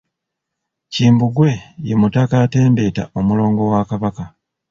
Kimbugwe ye mutaka atembeeta omulongo wa Kabaka.